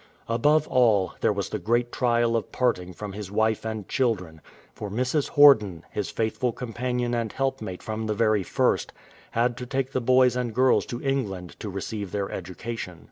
Above all, there was the great trial of parting from his wife and children, for Mrs. Horden, his faithful companion and helpmate from the very first, had to take the boys and girls to England to receive their education.